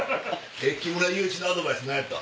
木村祐一のアドバイス何やった？